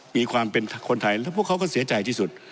มีความเป็นคนไทยแล้วพวกเขาก็เสียใจที่สุด